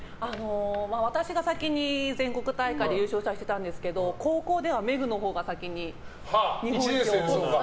私が先に全国大会で優勝したんですけど、高校ではメグのほうが先に日本一を。